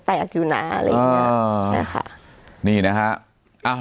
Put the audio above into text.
แตกอยู่นะใช่ค่ะนี่นะครับ